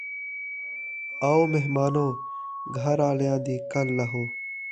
آو مہمانو گھر آلیاں دی کل لہو